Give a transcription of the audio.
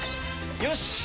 よし！